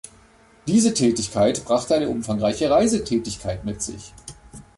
Diese Tätigkeit brachte eine umfangreiche Reisetätigkeit mit sich.